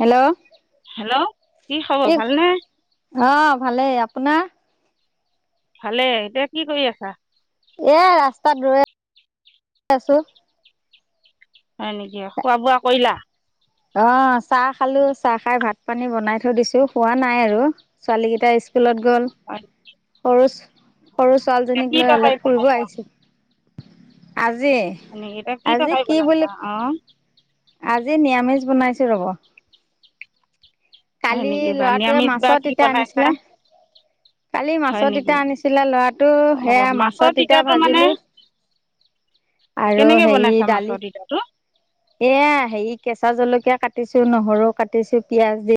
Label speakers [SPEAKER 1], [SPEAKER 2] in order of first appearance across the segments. [SPEAKER 1] Hello
[SPEAKER 2] hello, কি খবৰ? ভালনে?
[SPEAKER 1] অহ ভালেই, আপোনাৰ?
[SPEAKER 2] ভালে, এতিয়া কি কৰি আছা?
[SPEAKER 1] এয়া ৰাস্তাত ৰৈ আ আছো।
[SPEAKER 2] হয় নেকি? খোৱা-বোৱা কৰিলা?
[SPEAKER 1] অ', চাহ খালো, চাহ খাই ভাত-পানী বনাই থৈ দিছো। খোৱা নাই আৰু ছোৱালী কিটা ইস্ কুলত গ'ল।
[SPEAKER 2] হয় নেকি?
[SPEAKER 1] সৰু ছো সৰু ছোৱালীজনীক
[SPEAKER 2] এতিয়া কি
[SPEAKER 1] লৈ
[SPEAKER 2] তৰকাৰী
[SPEAKER 1] অলপ ফুৰিব আহিছো। আজ
[SPEAKER 2] মানে ইতা কি তৰকাৰী বনাইছা? অহ।
[SPEAKER 1] আজি নিৰামিচ বনাইছো ৰ'ব।
[SPEAKER 2] হয়
[SPEAKER 1] কালি
[SPEAKER 2] নেকি বা
[SPEAKER 1] ল'ৰাটোৱে
[SPEAKER 2] নিৰামিষ বা
[SPEAKER 1] মাছৰ
[SPEAKER 2] কি
[SPEAKER 1] তিতা
[SPEAKER 2] বনাইছা
[SPEAKER 1] আনিছিলে। কালি
[SPEAKER 2] হয়
[SPEAKER 1] মাছৰ
[SPEAKER 2] নেকি
[SPEAKER 1] তিতা আনিছিলে ল'ৰাটো, সেয়া মাছৰ তিতা ভাজিলো। আৰু
[SPEAKER 2] কেনেকে
[SPEAKER 1] হেৰি
[SPEAKER 2] বনাইছা
[SPEAKER 1] দালি
[SPEAKER 2] মাছৰ তিতাটো।
[SPEAKER 1] এয়া হেৰি কেঁচা জলকীয়া কাটিছো, নহৰু কাটিছো, পিয়াঁজ দি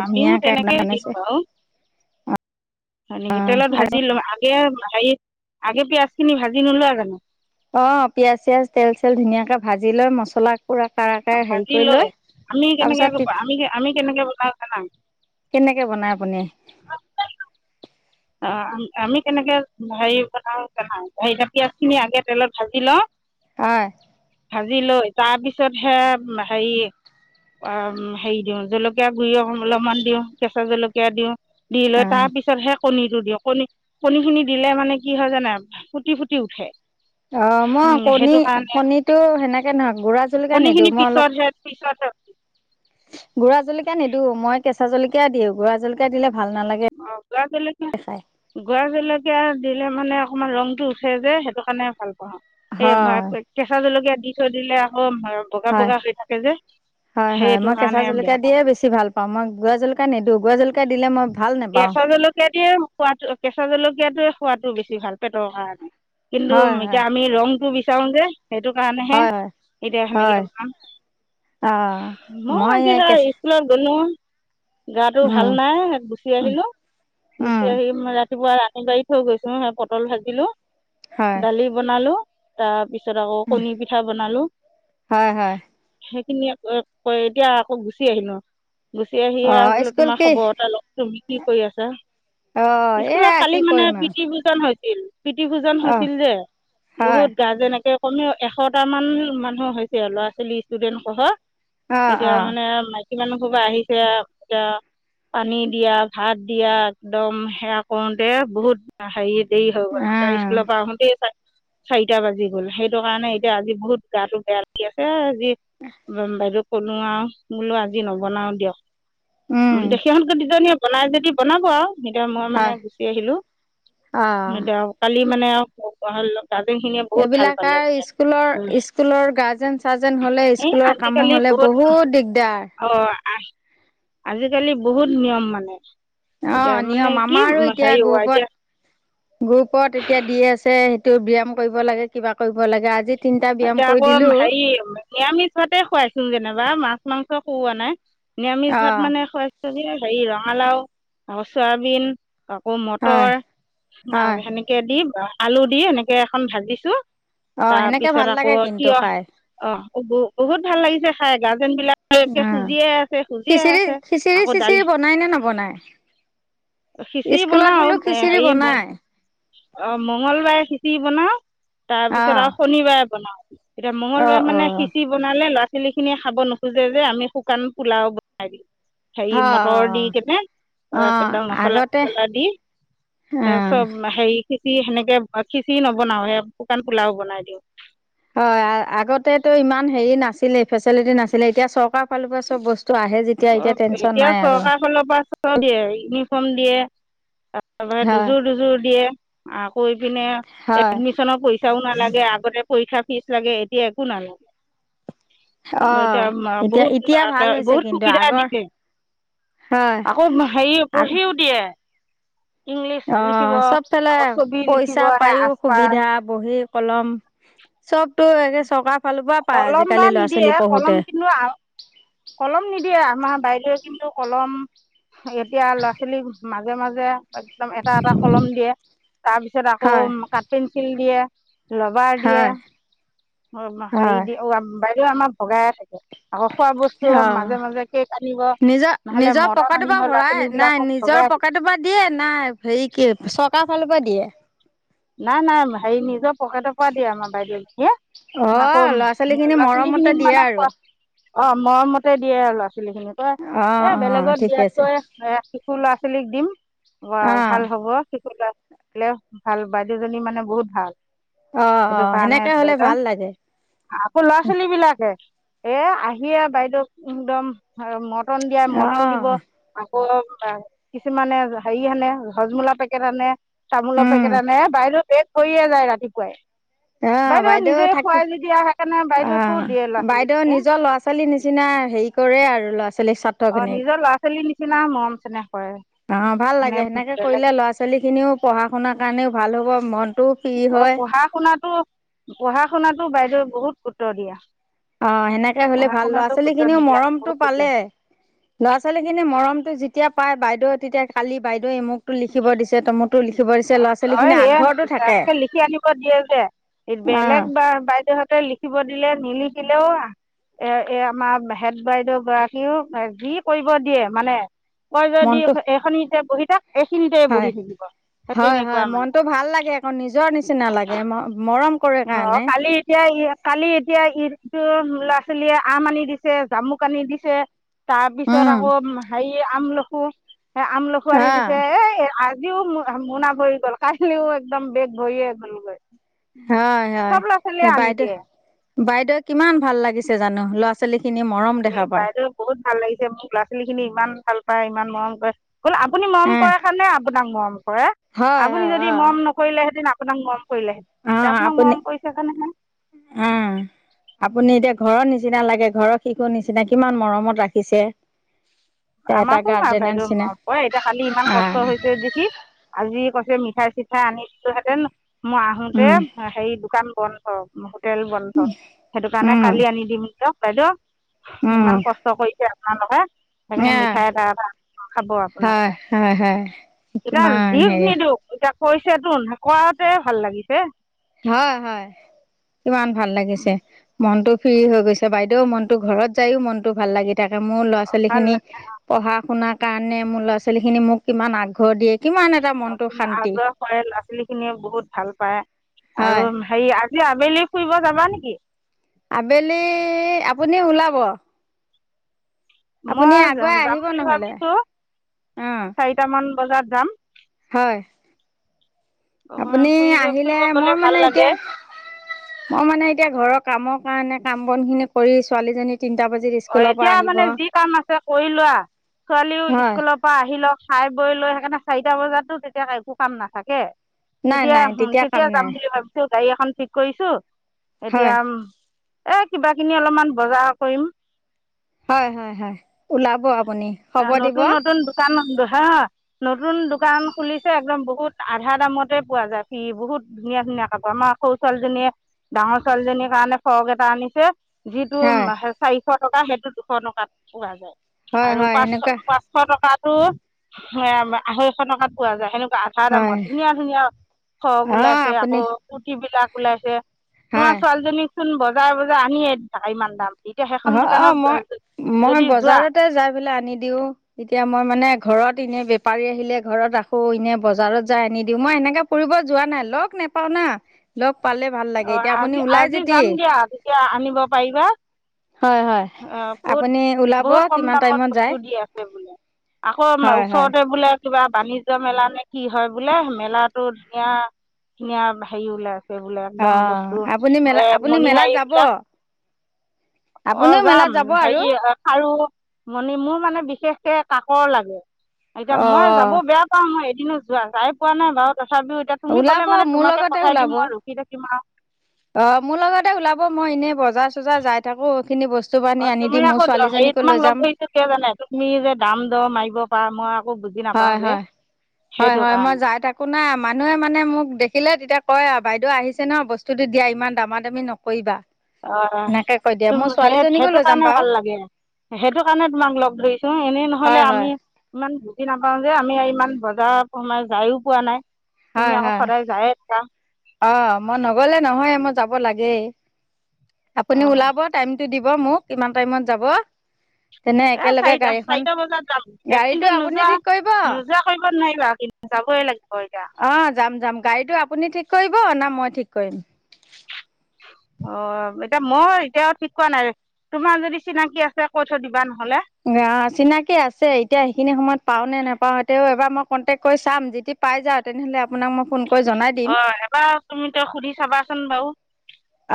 [SPEAKER 2] আমিও তেনেকৈয়ে দিওঁ বাৰু হয়
[SPEAKER 1] অ
[SPEAKER 2] নেকি তেলত
[SPEAKER 1] আৰু
[SPEAKER 2] ভাজি লৈ আগে হেৰিত আগে পিয়াঁজ খিনি ভাজি নোলোৱা জানো।
[SPEAKER 1] অ পিয়াঁজ চিয়াজ তেল চেল ধুনীয়াকে ভাজি লৈ মছলা পূৰা কাঢ়া কাঢ়া হেৰি
[SPEAKER 2] ভাজি
[SPEAKER 1] কৰি লৈ
[SPEAKER 2] আমি কেনেকৈ
[SPEAKER 1] তাৰপিছত
[SPEAKER 2] আমি আমি কেনেকৈ বনাওঁ জানা
[SPEAKER 1] কেনেকে বনাই আপুনি।
[SPEAKER 2] অ আমি কেনেকে হেৰি বনাও বনাও জানা হেৰি পিয়াঁজখিনি আগে তেলত ভাজি লওঁ
[SPEAKER 1] হয়।
[SPEAKER 2] ভাজি লৈ তাৰপিছতহে হেৰি আ হেৰি দিওঁ জলকীয়া গুৰি অলপমান দিওঁ, কেঁচা জলকীয়া দিওঁ। দি
[SPEAKER 1] অ
[SPEAKER 2] লয় তাৰ পিছত হে কণীটো দিয়ক কণী কণী খিনি দিলে মানে কি হয় জান ফুটি ফুটি উঠে।
[SPEAKER 1] অ মই
[SPEAKER 2] উম
[SPEAKER 1] কণী
[SPEAKER 2] সেইটো কাৰণে
[SPEAKER 1] কণীটো সেনেকে নহয় গুড়া জলকীয়া নিদো
[SPEAKER 2] কণীখিনি
[SPEAKER 1] মই অলপ
[SPEAKER 2] পিছতহে পিছত
[SPEAKER 1] গুড়া জলকীয়া নিদো মই কেঁচা জলকীয়া দিও গুড়া জলকীয়া দিলে ভাল নালাগে
[SPEAKER 2] অ গুড়া জলকীয়া
[SPEAKER 1] খাই
[SPEAKER 2] গুড়া জলকীয়া দিলে মানে অকমান ৰংটো উঠে যে, সেইটো কাৰণে ভাল পাওঁ। এ, ভা
[SPEAKER 1] হয়
[SPEAKER 2] কেঁচা জলকীয়া দি থৈদিলে আ
[SPEAKER 1] হয়, হয়, হয়
[SPEAKER 2] সেইটো
[SPEAKER 1] মই কেঁচা
[SPEAKER 2] কাৰণে বেয়া
[SPEAKER 1] জলকীয়া
[SPEAKER 2] পাওঁ
[SPEAKER 1] দিয়ে বেছি ভাল পাওঁ। মই গুৰা জলকীয়া নেদো। গুৰা জলকীয়া দিলে, মই ভাল নেপাওঁ
[SPEAKER 2] কেঁচা জলকীয়া খোৱাতটো, কেঁচা জলকীয়াতোৱে খোৱাতটো বেছি ভাল পেটৰ কাৰণে। কিন্তু,
[SPEAKER 1] হয় হয়
[SPEAKER 2] এতিয়া আমি ৰংটো মিচ জামদে সেইটো কাৰণেহে
[SPEAKER 1] হয়
[SPEAKER 2] এতিয়া সনেকে
[SPEAKER 1] হয় হয়
[SPEAKER 2] বনাম,
[SPEAKER 1] অ
[SPEAKER 2] মই আজি স্কুলত গলো। গাটো ভাল
[SPEAKER 1] উম
[SPEAKER 2] নাই।
[SPEAKER 1] উম
[SPEAKER 2] দিলোঁ গুচি
[SPEAKER 1] উম
[SPEAKER 2] আহিমানে ৰাতিপুৱা ৰান্ধি বাৰি থৈ গৈছো, পটল ভাজিলো।
[SPEAKER 1] হয়
[SPEAKER 2] দালি বনালো। তাৰপিছত। তাৰ পিছত আকৌ, কণী পিঠা বনালো।
[SPEAKER 1] হয় হয়
[SPEAKER 2] খিনি এতিয়া আকৌ গুচি আহিলো। গুচি আহি,
[SPEAKER 1] অ
[SPEAKER 2] এ আৰু বোলে
[SPEAKER 1] স্কুল
[SPEAKER 2] তোমাৰ
[SPEAKER 1] কি
[SPEAKER 2] খবৰ এটা ললোঁ। কি কৰি আছা?
[SPEAKER 1] অ
[SPEAKER 2] স্কুলত
[SPEAKER 1] এয়া
[SPEAKER 2] কালি
[SPEAKER 1] কি
[SPEAKER 2] মানে
[SPEAKER 1] কৰিম আৰু
[SPEAKER 2] পিতি পজা- হৈছিল। প্ৰীতি ভূজন
[SPEAKER 1] অ
[SPEAKER 2] হৈছিল যে
[SPEAKER 1] হয়
[SPEAKER 2] বহুত গা যেনেকে কমেও, এশটা মান মানুহ হৈছে ল'ৰা ছোৱালী ষ্টুডেন্ট সহ
[SPEAKER 1] অ
[SPEAKER 2] এতিয়া
[SPEAKER 1] অ
[SPEAKER 2] মানে আপোনালোক কৰবা আহিছে এতিয়া পানীত দিয়া, ভাত দিয়া একদম সেয়া কৰোতে বহুত হেৰিত দেৰি হৈ যায় তস্কুল
[SPEAKER 1] উম
[SPEAKER 2] পৰা আহতে চাৰিটা বাজি গ'ল, সেইটো কাৰণে এতিয়া, আজি বহুত গাটো বেয়া লাগি আছে। ব বাইদেউ কলো আৰু, বোলো আজি নবনাও দিয়ক।
[SPEAKER 1] উম
[SPEAKER 2] উ', দেখি [unintelligible] জনীয়ে বনাই যদি বনাব আৰু এতিয়া মই মানে
[SPEAKER 1] হয়
[SPEAKER 2] গুচি আহিলো,
[SPEAKER 1] অ
[SPEAKER 2] এতিয়া কালি মানে আৰু [unintelligible]
[SPEAKER 1] এইবিলাক আৰু স্কুলৰ-স্কুলৰ গাৰ্জেন-চাৰ্জেন হলে
[SPEAKER 2] এই
[SPEAKER 1] স্কুলৰ কামো
[SPEAKER 2] আজিকালি
[SPEAKER 1] হলে বহুত দিগদাৰ
[SPEAKER 2] অঁ আজিকালি বহুত নিয়ম মানে
[SPEAKER 1] অ
[SPEAKER 2] এতিয়া মানে
[SPEAKER 1] নিয়ম,
[SPEAKER 2] কি
[SPEAKER 1] আমাৰো এতিয়া
[SPEAKER 2] হেৰি এতিয়া
[SPEAKER 1] গ্ৰুপত-গ্ৰুপত এতিয়া দি আছে তেওঁ ব্যায়াম কৰিব লাগে, কিবা কৰিব লাগে আজি তিনটা ব্যায়াম
[SPEAKER 2] তাতে
[SPEAKER 1] কৰি
[SPEAKER 2] আকৌ
[SPEAKER 1] দিলো
[SPEAKER 2] হেৰি নিৰামিষ ভাতে খুৱাইছো যেনিবা মাছ মাংস খুওৱা নাই নিৰামিষ
[SPEAKER 1] অ
[SPEAKER 2] ভাত মানে খুৱা [unintelligible] হেৰি, ৰঙালাও আৰু চয়াবিন আকৌ
[SPEAKER 1] হয়
[SPEAKER 2] মটৰ, আ
[SPEAKER 1] হয়
[SPEAKER 2] সেনেকে দি বা আলু দি এনেকে এখন ভাজিছো।
[SPEAKER 1] অ', এনেকে
[SPEAKER 2] ছত আকৌ তিয়হ, অঁ বহুত ভাল লাগিছে। খাই এগাল যেন বিলাকে
[SPEAKER 1] উম
[SPEAKER 2] খুজিয়ে আছে-খুজিয়ে
[SPEAKER 1] খিচিৰি
[SPEAKER 2] আছে,
[SPEAKER 1] খিচিৰি
[SPEAKER 2] আকৌ দালি,
[SPEAKER 1] চিচিৰি বনাই নে নবনাই
[SPEAKER 2] খিচিৰি
[SPEAKER 1] স্কুলত
[SPEAKER 2] বনাও,
[SPEAKER 1] বোলো খিচিৰি
[SPEAKER 2] হেৰি
[SPEAKER 1] বনাই
[SPEAKER 2] অ' মঙ্গলবাৰে খিচি বনাও।
[SPEAKER 1] অ
[SPEAKER 2] তাৰপিছত আৰু শনিবাৰ বনাও। এতিয়া
[SPEAKER 1] অ
[SPEAKER 2] মঙলবাৰে
[SPEAKER 1] অ
[SPEAKER 2] মানে খিচিৰি বনালে ল লি খিনিয়ে খাব নোখোজে যে, আমি শুকান পোলাও বনাই দিও। হেৰি,
[SPEAKER 1] অ অ
[SPEAKER 2] মটৰ দি কেনে
[SPEAKER 1] অ
[SPEAKER 2] একদম
[SPEAKER 1] আগতে
[SPEAKER 2] মচলা-চছলা দি,
[SPEAKER 1] অ
[SPEAKER 2] চব হেৰি খিচিৰি সেনেকে খিচিৰি নবনাও, এ শুকান পোলাও বনাই দিওঁ।
[SPEAKER 1] হয় আগতেতো ইমান হেৰি নাছিলেই, ফেচিলিটি নাছিলেই এতিয়া চৰকাৰৰ ফালৰ পৰা চব বস্তু আহে যেতিয়া এতিয়া
[SPEAKER 2] অ',
[SPEAKER 1] টেনচন
[SPEAKER 2] এতিয়া
[SPEAKER 1] নাই আৰু
[SPEAKER 2] চৰকাৰ ফালৰ পৰা [unintelligible] দিয়ে, ইউনিফৰ্ম দিয়ে [unintelligible]
[SPEAKER 1] হয়
[SPEAKER 2] দুযোৰ দুযোৰ দিয়ে অ' কৈ পিনে
[SPEAKER 1] হয়
[SPEAKER 2] এডমিছনৰ পইচাও নালাগে আগতে পৰীক্ষা ফিজ লাগে, এতিয়া একো নালাগে।
[SPEAKER 1] অ,
[SPEAKER 2] এতিয়া
[SPEAKER 1] এতিয়া
[SPEAKER 2] বহুত
[SPEAKER 1] এতিয়া ভাল হৈছে
[SPEAKER 2] বহুত
[SPEAKER 1] কিন্তু আগ
[SPEAKER 2] [unintelligible] আকৌ হেৰি
[SPEAKER 1] আগ
[SPEAKER 2] পঢ়িও দিয়ে। [unintelligible] ইংলিছ লিখিব
[SPEAKER 1] অ', চবফালে
[SPEAKER 2] আকৌ ছবি লিখিব
[SPEAKER 1] পইচা
[SPEAKER 2] সেই
[SPEAKER 1] পায়ো
[SPEAKER 2] আচপাৰ
[SPEAKER 1] সুবিধা, বহী, কলম, চব তো একে চৰকাৰ ফাল
[SPEAKER 2] কলম বা নিদিয়ে কলম কিন্তু আও কলম নিদিয়ে আমাৰ বাইদেৱে কিন্তু কলম এতিয়া ল'ৰা ছোৱালী মাজ মাজে মাজে একদম এটা এটা কলম দিয়ে, তাৰপিছত আকৌ
[SPEAKER 1] হয়
[SPEAKER 2] কাঠ পেঞ্চিল দিয়ে। লবাৰ দিয়ে,
[SPEAKER 1] হয়
[SPEAKER 2] অ হেৰি
[SPEAKER 1] হয়।
[SPEAKER 2] দিয়ে বাইদেউৱে আমাক ভগায়ে থাকে। আকৌ খোৱা বস্তু
[SPEAKER 1] অ,
[SPEAKER 2] মাজে মাজে কেক আনিব
[SPEAKER 1] নিজৰ
[SPEAKER 2] নহ'লে
[SPEAKER 1] নিজৰ
[SPEAKER 2] মৰ্টন
[SPEAKER 1] পকেটৰ
[SPEAKER 2] আনিব
[SPEAKER 1] পৰা
[SPEAKER 2] ল'ৰা
[SPEAKER 1] ভৰাই, নাই
[SPEAKER 2] ছোৱালীবিলাকক ভগাই
[SPEAKER 1] নিজৰ
[SPEAKER 2] থাকে।
[SPEAKER 1] পকেটৰ পৰা দিয়ে নাই হেৰি কি চৰকাৰ ৰ ফালপা দিয়ে।
[SPEAKER 2] নাই নাই, হেৰি নিজক পকেটৰ পা দিয়ে আমাৰ বাইদেউ খিনিয়ে, আকৌ
[SPEAKER 1] অ' ল'ৰা ছোৱালী খিনি
[SPEAKER 2] ল'ৰা ছোৱালী
[SPEAKER 1] মৰমতে
[SPEAKER 2] খিনিক
[SPEAKER 1] দিয়ে
[SPEAKER 2] মানে
[SPEAKER 1] আৰু।
[SPEAKER 2] খোৱা অ মৰমতে দিয়ে আৰু ল'ৰা ছোৱালী খিনি কই
[SPEAKER 1] অ'
[SPEAKER 2] এ
[SPEAKER 1] অ'
[SPEAKER 2] বেলেগত
[SPEAKER 1] ঠিকে আছে।
[SPEAKER 2] দিয়াতকৈ এয়া সু ল'আ ছোৱালীক দিম। বা ভাল
[SPEAKER 1] অ'।
[SPEAKER 2] হ'ব কি [unintelligible] ভাল, বাইদেউজনী মানে বহুত ভাল।
[SPEAKER 1] অ'
[SPEAKER 2] সেইটো
[SPEAKER 1] অ'
[SPEAKER 2] কাৰণে
[SPEAKER 1] সেনেকে
[SPEAKER 2] ধৰি
[SPEAKER 1] হ'লে
[SPEAKER 2] ল,
[SPEAKER 1] ভাল লাগে।
[SPEAKER 2] আকৌ ল'ৰা ছোৱালী বিলাকে এ আহিয়ে বাইদেউ একদম মটন দিয়া মটন দিব
[SPEAKER 1] অ'
[SPEAKER 2] আ অক কিছুমানে হেৰি আনে, হজমলা পেকেট আনে, তামোলৰ
[SPEAKER 1] উম
[SPEAKER 2] পেকেট আনে, বাইদেউৰ পেট ভৰিয়েই যায় ৰাতিপুৱাই।
[SPEAKER 1] অ'
[SPEAKER 2] বাইদেউয়ে
[SPEAKER 1] বাইদেউ
[SPEAKER 2] নিজে
[SPEAKER 1] থাকি
[SPEAKER 2] খুৱাই যেতিয়া
[SPEAKER 1] অ, বাইদেউ নিজৰ ল'ৰা ছোৱালীৰ নিচিনা হেৰি কৰে আৰু ল'ৰা ছো লি ছাত্ৰ
[SPEAKER 2] অঁ
[SPEAKER 1] খিনিক,
[SPEAKER 2] নিজৰ ল'ৰা ছোৱালীৰ নিচিনা মৰম চেনেহ কৰে
[SPEAKER 1] অ' ভাল
[SPEAKER 2] মানে
[SPEAKER 1] লাগে সেনেকে
[SPEAKER 2] বেলেগ
[SPEAKER 1] কৰিলে ল'ৰা ছোৱালী খিনিও পঢ়া শুনাৰ কাৰণেও ভাল হ'ব, মন
[SPEAKER 2] অ' পঢ়া শুনাটো, পঢ়া শুনাটো বাইদেউ বহুত ক ত্ব দিয়া
[SPEAKER 1] অ' সেনেকে হ'লে ভাল। ল'ৰা ছোৱালী খিনিও
[SPEAKER 2] নিদিয়া বহুত
[SPEAKER 1] মৰমটো
[SPEAKER 2] গুৰুত্ব
[SPEAKER 1] পালে, ল'ৰা ছোৱালী খিনি মৰমটো যেতিয়া পাই বাইদেউও তেতিয়া কালি বাইদেৱে মোকটো লিখিব দিছে তমোক
[SPEAKER 2] অ' সেয়া তেনেকে লিখি আনিব দিয়ে যে,
[SPEAKER 1] অ',
[SPEAKER 2] বেলেগ বা বাইদেউহঁতে লিখিব দিলে নিলিখ থাকিলেও এ এ আমাৰ হেড বাইদেউ গৰাকীও যি কৰিব দিয়ে মানে কৰিব দি
[SPEAKER 1] মনটো
[SPEAKER 2] এ এখনি এতিয়া বহিত এইখিনিতে বহি
[SPEAKER 1] হয়।
[SPEAKER 2] থাকিব।
[SPEAKER 1] হয়,
[SPEAKER 2] তেনেকুৱা
[SPEAKER 1] হয়,
[SPEAKER 2] মানে
[SPEAKER 1] মনটো ভাল লাগে আকৌ নিজৰ নিচিনা লাগে ম ম মৰম। কৰে
[SPEAKER 2] অ'
[SPEAKER 1] কাৰণে।
[SPEAKER 2] কালি এতিয়া ইয়ে কালি এতিয়া ইটো ল'ৰা ছোৱালীয়ে আম আনি দিছে জামুক আনি দিছে। তাৰ পিছত
[SPEAKER 1] উম,
[SPEAKER 2] আকৌ হেৰি আম লোকো। এ আমলখু আনি দিছে
[SPEAKER 1] অ',
[SPEAKER 2] এ' [unintelligible] মোনা ভৰি গ'ল, কালিও একদম বেগ ভৰিয়ে গ'লগৈ।
[SPEAKER 1] হয় হয়,
[SPEAKER 2] চব ল'ৰা
[SPEAKER 1] সে
[SPEAKER 2] ছোৱালীয়ে আনি
[SPEAKER 1] বাইদেউ,
[SPEAKER 2] দিয়ে
[SPEAKER 1] বাইদেৱে কিমান ভাল লাগিছে জানো ল'ৰা ছোৱালীক
[SPEAKER 2] এ' বাইদেউ বহুত ভাল লাগিছে মোৰ ল'ৰা ছোৱালী খিনি ইমান ভাল। পাই ইমান মৰম কৰে। আপুনি মৰম
[SPEAKER 1] উম।
[SPEAKER 2] কৰে কাৰণে আপোনাক মৰম কৰে
[SPEAKER 1] হয় হয়
[SPEAKER 2] আপুনি যদি
[SPEAKER 1] হয়।
[SPEAKER 2] মৰম নকৰিলে সেদিনা কম [unintelligible]
[SPEAKER 1] অ', আপুনি উহ্, আপুনি এতিয়া ঘৰৰ নিচিনা লাগে ঘৰৰ শিশুৰ নিচিনা কিমান মৰমত ৰাখিছে। এ এটা
[SPEAKER 2] আমাকো মা
[SPEAKER 1] গাৰ্জেনৰ
[SPEAKER 2] বাইদেউ
[SPEAKER 1] নিচিনা
[SPEAKER 2] মৰম কৰে, এতিয়া খালি ইমান কষ্ট
[SPEAKER 1] অ'
[SPEAKER 2] হৈছে দেখি আজি কষ্ট মিঠাই চিঠাই আনিছিলোহেতেন। মই আহো দে,
[SPEAKER 1] উম
[SPEAKER 2] হেৰি দোকান বন্ধ অ [unintelligible] তেল বন্ধ, সেইটো কাৰণে
[SPEAKER 1] উম
[SPEAKER 2] কালি আনি দিম [unintelligible] বাইদ' ইমান
[SPEAKER 1] উম।
[SPEAKER 2] কষ্ট কৰিছে। কৰ লগত?
[SPEAKER 1] এ
[SPEAKER 2] সেইকাৰণে মিঠাই এটা এটা খাব
[SPEAKER 1] হয়
[SPEAKER 2] আপোনালেকে,
[SPEAKER 1] হয় হয়
[SPEAKER 2] এতিয়া
[SPEAKER 1] কিমান
[SPEAKER 2] দিক
[SPEAKER 1] হেৰি
[SPEAKER 2] নিদিওঁ এতিয়া কৈছে তো কৰাতে ভাল লাগিছে!
[SPEAKER 1] হয় হয় কিমান? ভাল লাগিছে মনতটো। ফ্ৰী হৈ গৈছে বাইদেউ মনতটো ঘৰত যায়ও মনতটো ভাল লাগিল। তাকে মোৰ ল'ৰা ছোৱালী
[SPEAKER 2] ভাল
[SPEAKER 1] খিনি
[SPEAKER 2] লাগে
[SPEAKER 1] পঢ়া শুনা কাৰণে মোৰ ল'ৰা ছোৱালীখিনি মোক কিমান আগ্ৰহ দিয়ে? কিমান এটা মনটো
[SPEAKER 2] আপোনাৰ
[SPEAKER 1] শান্তি
[SPEAKER 2] আগ্ৰহ কৰে ল'ৰা ছোৱালী খিনিয়ে বহুত ভাল পায়। আৰু
[SPEAKER 1] হয়।
[SPEAKER 2] হেৰি আজি আবেলি ফুৰিব যাবা নেকি? উ [inaudible]
[SPEAKER 1] আবেলি আপুনি ওলাব! আপুনি
[SPEAKER 2] মই যাম
[SPEAKER 1] আগুৱাই আহিব
[SPEAKER 2] বুলি
[SPEAKER 1] নহ'লে
[SPEAKER 2] ভাবিছো
[SPEAKER 1] অঁ
[SPEAKER 2] চাৰিটামান বজাত যাম।
[SPEAKER 1] হয় আপুনি
[SPEAKER 2] ফুৰি
[SPEAKER 1] আহিলে
[SPEAKER 2] ফুৰিব গ'লে
[SPEAKER 1] মই
[SPEAKER 2] ভাল
[SPEAKER 1] মানে
[SPEAKER 2] লাগে
[SPEAKER 1] এতিয়া মই মানে এতিয়া ঘৰত কামৰ কাৰণে কাম বন খিনি কৰি ছোৱালীজনীক
[SPEAKER 2] এতিয়া মানে যি কাম আছে কৰি লোৱা ছোৱালীও
[SPEAKER 1] হয়
[SPEAKER 2] স্কুলৰ পৰা আহি লওক! খাই বৈ লৈ সেইকাৰণে চাৰিটা বজাতো তেতিয়া একো কাম নাথাকে!
[SPEAKER 1] নাই
[SPEAKER 2] তেতিয়া
[SPEAKER 1] নাই
[SPEAKER 2] তেতিয়া
[SPEAKER 1] কাম
[SPEAKER 2] যাম
[SPEAKER 1] নাই
[SPEAKER 2] বুলি ভাবিছো? গাড়ী এখন ঠিক কৰিছো এতিয়া
[SPEAKER 1] হয়
[SPEAKER 2] আম এই কিবা কিনি অলপমান বজাৰ কৰিম
[SPEAKER 1] হয় হয় হয় ওলাব আপুনি খবৰ দিব
[SPEAKER 2] নতুন নতুন দোকান বন্ধ নতুন দোকান খুলিছে একদম বহুত আধা দামতে পোৱা যায় ফি বহুত ধুনীয়া ধুনীয়া কাপোৰ আমাৰ সৰু ছোৱালীজনীয়ে ডাঙৰ ছোৱালীজনীৰ কাৰণে ফ্ৰক এটা আনিছে যিটো
[SPEAKER 1] হয়
[SPEAKER 2] চাৰিশ টকা সেই সেইটো দুশ টকাত পোৱা যায়।
[SPEAKER 1] হয়
[SPEAKER 2] আৰু
[SPEAKER 1] হয়
[SPEAKER 2] পাঁচশ
[SPEAKER 1] এনেকুৱা
[SPEAKER 2] পাঁচশ টকাত পোৱাতো আঢ়ৈশ টকাত পোৱা যায় সেনেকা আধাৰ
[SPEAKER 1] হয়
[SPEAKER 2] দামত ধুনীয়া ধুনীয়া ফৰ্ক
[SPEAKER 1] অঁ
[SPEAKER 2] ওলাইছে আকৌ
[SPEAKER 1] আপুনি
[SPEAKER 2] কুৰ্তি বিলাক ওলাইছে তোমাৰ
[SPEAKER 1] হয়
[SPEAKER 2] ছোৱালীজনীক সোণ বজাৰ বজাৰ আনিয়ো ইমান দাম এতিয়া
[SPEAKER 1] অ
[SPEAKER 2] সেইখন
[SPEAKER 1] অ
[SPEAKER 2] দোকানত
[SPEAKER 1] মই মই
[SPEAKER 2] যদি যোৱা
[SPEAKER 1] বজাৰতে যাই পেলাই আনিম দিওঁ এতিয়া মই মানে ঘৰত দি এনে বেপাৰী আহিলে ঘৰত ৰাখো, এনে বজাৰত যাই আনি দিওঁ। মই এনেকে ফুৰিব যোৱা নাই লগ নাপাওঁ না। লগ পালে ভাল লাগে
[SPEAKER 2] অ'
[SPEAKER 1] এতিয়া আপুনি
[SPEAKER 2] আজি,
[SPEAKER 1] ওলাই
[SPEAKER 2] আজি
[SPEAKER 1] যেতি
[SPEAKER 2] যাম দিয়া আজি এতিয়া আনিব পাৰিবা
[SPEAKER 1] হয় হয়
[SPEAKER 2] অ' বহুত,
[SPEAKER 1] আপুনি ওলাব
[SPEAKER 2] বহুত কম
[SPEAKER 1] কিমান
[SPEAKER 2] দামত
[SPEAKER 1] টাইমত
[SPEAKER 2] বস্তু
[SPEAKER 1] যায়
[SPEAKER 2] দি আছে বোলে। আকৌ
[SPEAKER 1] হয় হয়
[SPEAKER 2] ওচৰতে বোলে কিবা বাণিজ্য মেলা নে কি হয় বোলে, মেলাতো ধুনীয়া-ধুনীয়া হেই ওলাইছে বোল
[SPEAKER 1] অ
[SPEAKER 2] একদম বস্তু
[SPEAKER 1] আপুনি মেলা
[SPEAKER 2] এ
[SPEAKER 1] আপুনি মেলাত
[SPEAKER 2] মণি-হাৰী
[SPEAKER 1] যাব
[SPEAKER 2] বিলাক অ'
[SPEAKER 1] আপুনিও মেলাত
[SPEAKER 2] যাম
[SPEAKER 1] যাব আৰু
[SPEAKER 2] হেৰি খাৰু-মণি মোৰ মানে বিশেষ কে কাকৰ লাগে এতিয়া
[SPEAKER 1] অ
[SPEAKER 2] মই যাবও বেয়া পাওঁ মই কিনো যোৱা যায় পোৱা নাই বাও তথাপিও এতিয়া তুমি গ'লে
[SPEAKER 1] ওলাব
[SPEAKER 2] মানে
[SPEAKER 1] মোৰ
[SPEAKER 2] তোমাকে
[SPEAKER 1] লগতে
[SPEAKER 2] পঠাই দিম
[SPEAKER 1] ওলাব
[SPEAKER 2] মই ৰখি থাকিম আৰু
[SPEAKER 1] অ মোৰ লগতে ওলাব মই এনে বজাৰ-চজাৰ যাই থাকো, সেই খিনি বস্তু বানি
[SPEAKER 2] অঁ',
[SPEAKER 1] আনি
[SPEAKER 2] তুমি
[SPEAKER 1] দিম মোৰ
[SPEAKER 2] আকৌ হেৰি
[SPEAKER 1] ছোৱালীজনীকো লৈ
[SPEAKER 2] তোমাক লগ
[SPEAKER 1] যাম
[SPEAKER 2] ধৰিছো কিয় জানে তুমি যে দাম দ মাৰিব পাৰা, মই আকৌ বুজি নাপাওঁ
[SPEAKER 1] হয়
[SPEAKER 2] যে
[SPEAKER 1] হয়, হয়
[SPEAKER 2] সেইটো
[SPEAKER 1] হয় মই
[SPEAKER 2] কাৰণে
[SPEAKER 1] যায় থাকো না মানুহে মানে মোক দে দেখিলে তেতিয়া কয় আওঁ, বাইদেউ আহিছে ন বস্তুটো দিয়া ইমান দামা-দামী নকইবা
[SPEAKER 2] অঁ' অঁ', তোম সেই সেইটো
[SPEAKER 1] লৈ যাম
[SPEAKER 2] কাৰণে
[SPEAKER 1] বাৰু
[SPEAKER 2] ভাল লাগে, সেইটো কাৰণে তোমাক লগ ধৰিছো এনেই
[SPEAKER 1] হয়
[SPEAKER 2] ন'হলে আমি
[SPEAKER 1] হয়
[SPEAKER 2] ইমান বুজি নাপাওঁ যে, আমি ইমান বজাৰ সোমাই পোৱা পোৱা নাই তুমি আকৌ সদায় যায়ে থাকা
[SPEAKER 1] অঁ' মই নগলে নহয়, মই যাব লাগেই আপুনি
[SPEAKER 2] অঁ
[SPEAKER 1] ওলাব, টাইমটো দিব ক'ব মোক, কিমান টাইমত যাব তেনে
[SPEAKER 2] এ
[SPEAKER 1] একেলগে
[SPEAKER 2] চাৰিটা,
[SPEAKER 1] গাড়ীখন
[SPEAKER 2] চাৰিটা বজাত যাম
[SPEAKER 1] গাড়ীটো
[SPEAKER 2] কিন্তু
[SPEAKER 1] আপুনি
[SPEAKER 2] নোযোৱা
[SPEAKER 1] ঠিক কৰিব
[SPEAKER 2] নোযোৱা কৰিব নোৱাৰিবা কিন্তু যাবই লাগিব এতিয়া
[SPEAKER 1] অ যাম যাম গাড়ীটো আপুনি ঠিক কৰিব না মই ঠিক কৰিম
[SPEAKER 2] অঁ', এতিয়া মই এতিয়াও ঠিক কৰা নাই, তোমাৰ যদি চিনাকি আছে কৈ থৈ দিবা ন
[SPEAKER 1] চিনাকি আছে এতিয়া সেইখিনি সময়ত পাওঁ নে নাপাওঁ, তেওঁ এবাৰ মই কণ্টেক্ট কৰি চাম। যদি পাই যাওঁ তেনেহ'লে আপোনাক মই ফোন কৰি জনাই দিম
[SPEAKER 2] অঁ' এবাৰ তুমি তেওঁক সুধি চাবাচোন বাৰু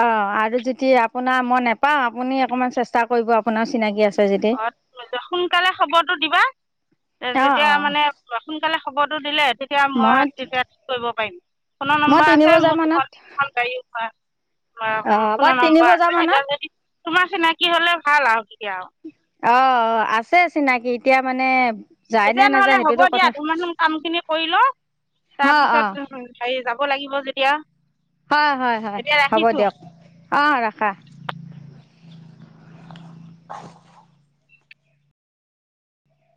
[SPEAKER 1] অঁ', আৰু যদি আপোনাৰ মই নাপাওঁ, আপুনি অকনমান চেষ্টা কৰিব আপোনাৰ চিনাকি আছে যদি
[SPEAKER 2] অঁ', সোনকালে খবৰটো দিবা,
[SPEAKER 1] অ'
[SPEAKER 2] তেতিয়া
[SPEAKER 1] অ'
[SPEAKER 2] মানে সোনকালে খ খবৰটো দিলে তেতিয়া মই, তেতিয়া টিকেট কৰিব পাৰিম ফোনৰ
[SPEAKER 1] মই
[SPEAKER 2] নম্বৰ
[SPEAKER 1] তিনি
[SPEAKER 2] আছে,
[SPEAKER 1] বজাৰ
[SPEAKER 2] মোৰ
[SPEAKER 1] মানত
[SPEAKER 2] দুখন-তিনিখন গাড়ীৰ
[SPEAKER 1] অ' মই
[SPEAKER 2] ফোন
[SPEAKER 1] তিনি
[SPEAKER 2] নম্বৰ
[SPEAKER 1] বজাৰ
[SPEAKER 2] আছে। এ
[SPEAKER 1] মানত
[SPEAKER 2] এতিয়া যদি তোমাৰ চিনাকি হ'লে ভাল আৰু তেতিয়া আৰু।
[SPEAKER 1] অঁ, ' অঁ, ' আছে চিনাকি এতিয়া মানে যায় নে
[SPEAKER 2] এতিয়া
[SPEAKER 1] নাযায়
[SPEAKER 2] নহলে হব
[SPEAKER 1] সেইটোতো
[SPEAKER 2] দিয়া
[SPEAKER 1] কথা
[SPEAKER 2] তোমাৰ কাম খিনি কৰিলওঁ
[SPEAKER 1] অ' অ'
[SPEAKER 2] তাৰপিছত হেৰি যাব লাগিব যদি এতিয়া।
[SPEAKER 1] হয়, হয়, হয়, হ'ব
[SPEAKER 2] ৰাখিছোঁ
[SPEAKER 1] দিয়ক অঁ, ৰাখা। [inaudible]